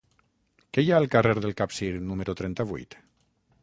Què hi ha al carrer del Capcir número trenta-vuit?